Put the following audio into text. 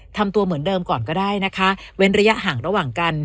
ทำตัวเหมือนเดิมก่อนก็ได้นะคะเว้นระยะห่างระหว่างกัน